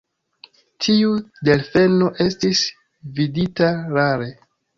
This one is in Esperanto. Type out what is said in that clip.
Tiu delfeno estis vidita rare.